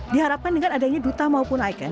diharapkan dengan adanya duta maupun ikon